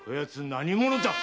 何者じゃ？